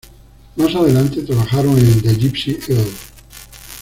Más adelante trabajaron en "The Gipsy Earl".